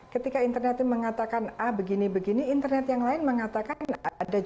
ketika internetnya mengatakan ah begini begini internet yang lain mengatakan ada